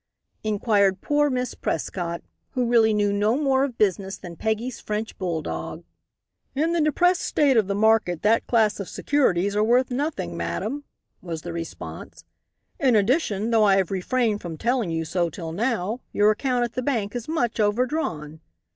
inquired poor Miss Prescott, who really knew no more of business than Peggy's French bull dog. "In the depressed state of the market that class of securities are worth nothing, madam," was the response, "in addition, though I have refrained from telling you so till now, your account at the bank is much overdrawn.